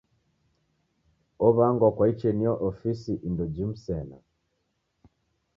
Ow'angwa kwa icheniyo ofisi indo jimu sena.